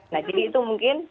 nah jadi itu mungkin